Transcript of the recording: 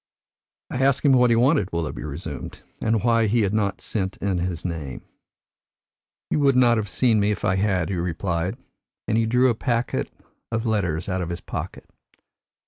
"I asked him what he wanted," Willoughby resumed, "and why he had not sent in his name. 'You would not have seen me if I had,' he replied, and he drew a packet of letters out of his pocket.